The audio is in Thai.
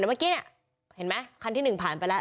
แต่เมื่อกี้เนี้ยเห็นไหมคันที่หนึ่งผ่านไปแล้ว